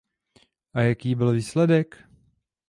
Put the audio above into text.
A jaký byl výsledek?